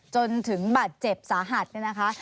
จนถึงบาดเจ็บสาหัสเนี่ยนะคะ